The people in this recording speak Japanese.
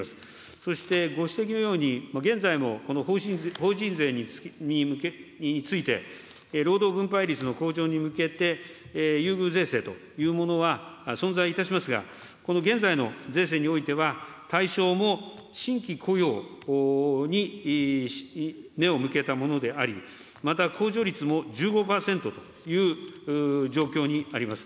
そしてご指摘のように、現在もこの法人税について、労働分配率の向上に向けて、優遇税制というものは、存在いたしますが、この現在の税制においては、対象も新規雇用に目を向けたものであり、また控除率も１５％という状況にあります。